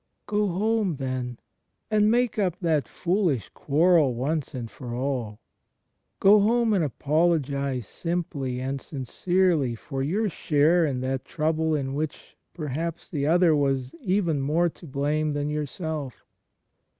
.. Go home, then, and make up that foolish quarrel once and for all : go home and apologize simply and sincerely for your share in that trouble in which perhaps the other was even more to blame than yourself.